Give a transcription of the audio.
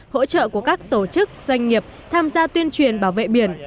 hỗ trợ của các tổ chức doanh nghiệp tham gia tuyên truyền bảo vệ biển